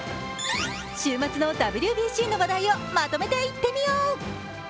週末のＷＢＣの話題をまとめていってみよう！